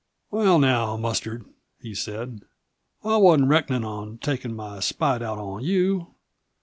"Well, now, Mustard," he said, "I wasn't reckonin' on takin' my spite out on you.